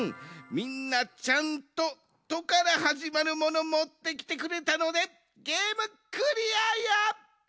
みんなちゃんと「と」からはじまるモノもってきてくれたのでゲームクリアや！